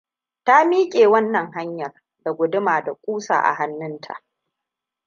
Ta miƙe wannan hanyar, da guduma da ƙusa a hannunta.